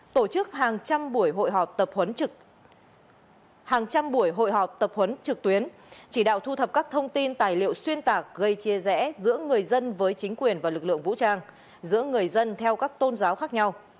tổ chức hàng trăm buổi hội họp tập huấn trực tuyến chỉ đạo thu thập các thông tin tài liệu xuyên tạc gây chia rẽ giữa người dân với chính quyền và lực lượng vũ trang giữa người dân theo các tôn giáo khác nhau